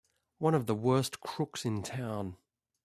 One of the worst crooks in town!